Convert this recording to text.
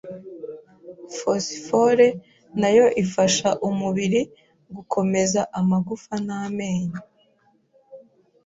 Fosifore nayo ifasha umubiri gukomeza amagufa n’amenyo